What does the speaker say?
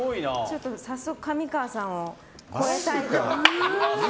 早速、上川さんを超えたいと。